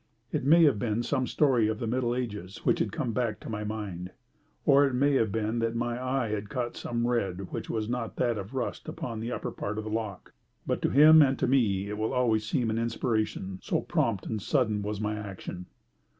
It may have been some story of the Middle Ages which had come back to my mind, or it may have been that my eye had caught some red which was not that of rust upon the upper part of the lock, but to him and to me it will always seem an inspiration, so prompt and sudden was my action.